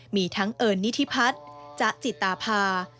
มีทั้งเอิญนิธิพัฒน์จ๊ะจิตาพา